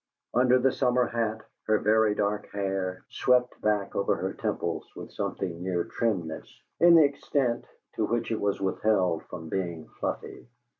Under the summer hat her very dark hair swept back over her temples with something near trimness in the extent to which it was withheld from being fluffy.